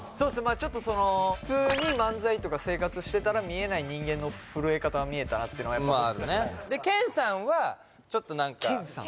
ちょっとその普通に漫才とか生活してたら見えない人間の震え方が見えたなっていうのが僕たちのでけんさんはちょっと何か「けんさん」？